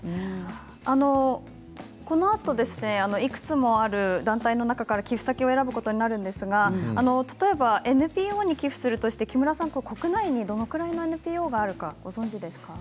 このあといくつもある団体の中から寄付先を選ぶことになるんですけれど例えばＮＰＯに寄付するとして、木村さん国内にはどれぐらいのＮＰＯがあるかご存じですか？